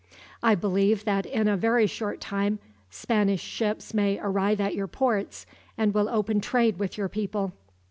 "I believe that in a very short time Spanish ships may arrive at your ports, and will open trade with your people.